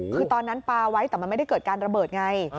คือตอนนั้นปลาไว้แต่มันไม่ได้เกิดการระเบิดไง